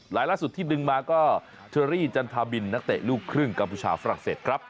ล่าสุดที่ดึงมาก็เชอรี่จันทาบินนักเตะลูกครึ่งกัมพูชาฝรั่งเศสครับ